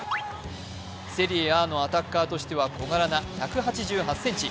セリエＡのアタッカーとしては小柄な１８８ｃｍ。